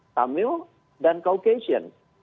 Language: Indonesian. tamil dan caucasian